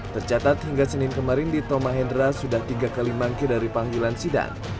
tercatat hingga senin kemarin di tomahendra sudah tiga kali manggil dari panggilan sidang